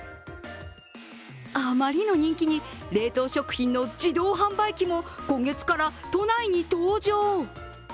あまりの人気に、冷凍食品の自動販売機も今月から都内に登場。